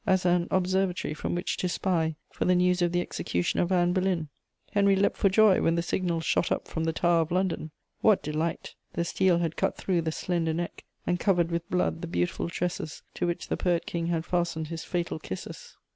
as an observatory from which to spy for the news of the execution of Anne Boleyn. Henry leapt for joy when the signal shot up from the Tower of London. What delight! The steel had cut through the slender neck, and covered with blood the beautiful tresses to which the poet King had fastened his fatal kisses.